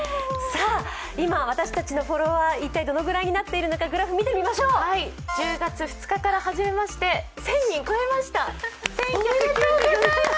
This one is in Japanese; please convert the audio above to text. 今、私たちのフォロワー、一体どのぐらいになっているのか１０月２日から始めまして１０００人超えました、１１９４人。